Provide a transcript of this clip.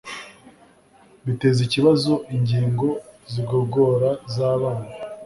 biteza ikibazo ingingo zigogora zabana